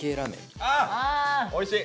おいしい。